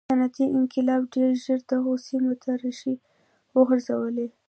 صنعتي انقلاب ډېر ژر دغو سیمو ته ریښې وغځولې.